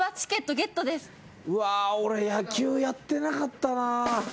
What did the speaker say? うわ俺野球やってなかったな。